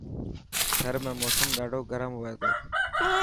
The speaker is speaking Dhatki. ٿر ۾ موسم ڏاڌو گرم هئي ٿو.